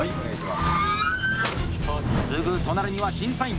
すぐ隣には審査員。